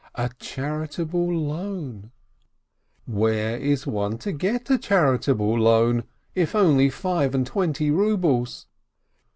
A charitable loan — where is one to get a chari table loan? If only five and twenty rubles!